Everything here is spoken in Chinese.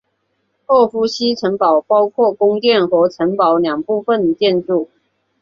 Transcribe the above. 沃夫西城堡包括宫殿和城堡两部分建筑。